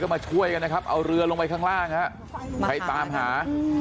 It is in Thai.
ก็มาช่วยก็เอาเรือลงไปตามหา